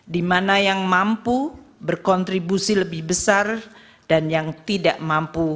di mana yang mampu berkontribusi lebih besar dan yang tidak mampu